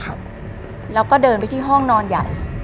แล้วก็เดินไปที่ห้องนอนใหญ่